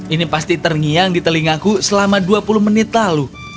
ini pasti terngiang di telingaku selama dua puluh menit lalu